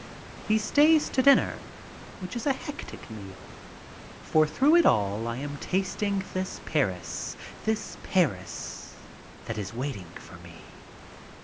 He stays to dinner, which is a hectic meal, for through it all I am tasting this Paris, this Paris that is waiting for me.